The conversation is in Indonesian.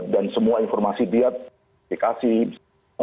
dan semua informasi dia dikasih bisa dijawabkan